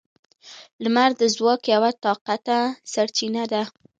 • لمر د ځواک یوه طاقته سرچینه ده.